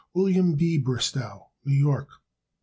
Wm. B. Bristow, New York.